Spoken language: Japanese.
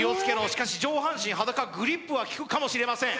しかし上半身裸グリップはきくかもしれません・